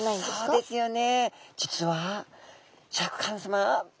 そうですよね。